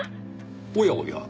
おやおや。